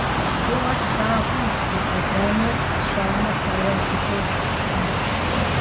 ФӀыуэ слъагъум здигъэзэнур сщӀамэ, сэри абыкӀэ зестынут.